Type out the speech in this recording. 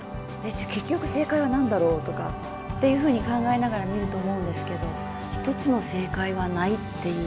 じゃ結局正解は何だろうとかっていうふうに考えながら見ると思うんですけど１つの正解はないっていう。